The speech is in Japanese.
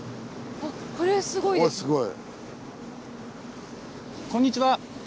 あっこんにちは。